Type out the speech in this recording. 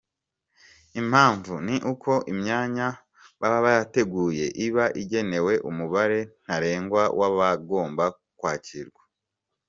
Impamvu ni uko imyanya baba bateguye iba igenewe umubare ntarengwa w’abagomba kwakirwa.